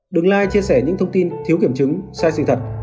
đừng lại chia sẻ những thông tin thiếu kiểm chứng sai sự thật